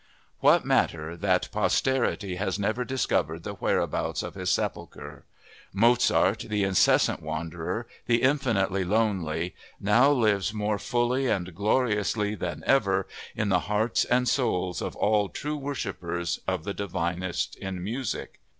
What matter that posterity has never discovered the whereabouts of his sepulcher? Mozart, the incessant wanderer, the infinitely lonely, now lives more fully and gloriously than ever in the hearts and souls of all true worshipers of the divinest in music.